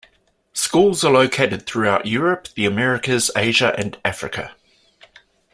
Schools are located throughout Europe, the Americas, Asia and Africa.